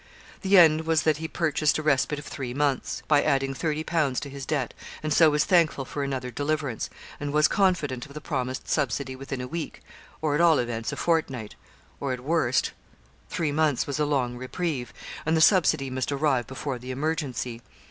The end was that he purchased a respite of three months, by adding thirty pounds to his debt, and so was thankful for another deliverance, and was confident of the promised subsidy within a week, or at all events a fortnight, or, at worst, three months was a long reprieve and the subsidy must arrive before the emergency.